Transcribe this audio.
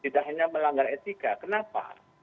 tidak hanya melanggar etika kenapa